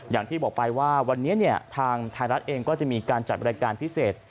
อย่างที่บอกไปว่าวันนี้ทางไทยรัฐเองก็จะมีการจัดบริการพิเศษ